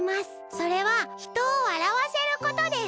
それはひとをわらわせることです。